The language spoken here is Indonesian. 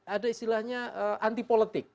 ada istilahnya anti politik